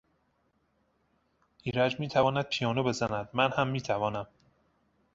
ایرج میتواند پیانو بزند، من هم میتوانم.